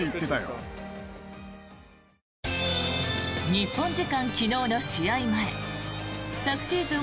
日本時間昨日の試合前昨シーズン